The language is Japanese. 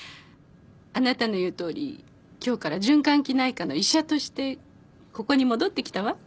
あなたの言うとおり今日から循環器内科の医者としてここに戻ってきたわ。